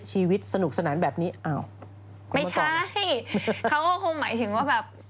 มันต้องมีคนเป็นห่วงมันต้องตังโง่มีคนไกรเกียร์